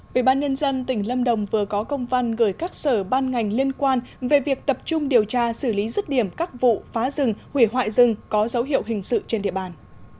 ubnd tỉnh lâm đồng vừa có công văn gửi các sở ban ngành liên quan về việc tập trung điều tra xử lý rứt điểm các vụ phá rừng hủy hoại rừng có dấu hiệu hình sự trên địa bàn